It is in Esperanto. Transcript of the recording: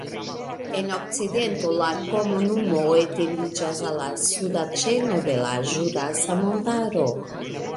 En okcidento la komunumo etendiĝas al la suda ĉeno de la Ĵurasa Montaro.